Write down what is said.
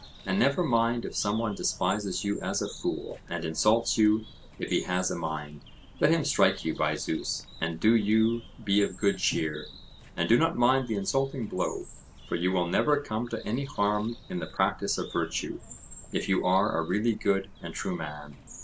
And never mind if some one despises you as a fool, and insults you, if he has a mind; let him strike you, by Zeus, and do you be of good cheer, and do not mind the insulting blow, for you will never come to any harm in the practice of virtue, if you are a really good and true man.